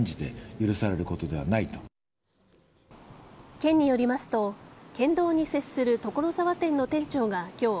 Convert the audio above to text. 県によりますと、県道に接する所沢店の店長が今日